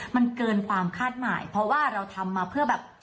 มันเกินความคาดหมายเพราะว่าเราทำมาเพื่อแบบ